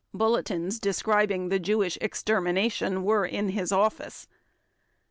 Bulletins describing the Jewish extermination were in his office.